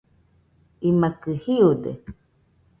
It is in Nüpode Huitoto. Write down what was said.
imakɨ jiude